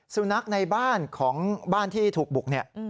สุนัขในบ้านของบ้านที่ถูกบุกเนี่ย